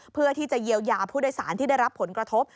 เพื่อที่จะเยียวยาผู้โดยสารที่ได้รับผลกระทบ